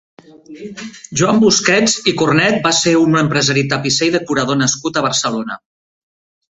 Joan Busquets i Cornet va ser un empresari tapisser i decorador nascut a Barcelona.